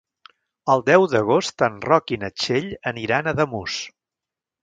El deu d'agost en Roc i na Txell aniran a Ademús.